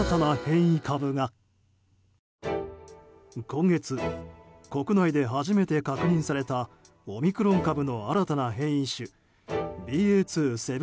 今月、国内で初めて確認されたオミクロン株の新たな変異種ＢＡ．２．７５。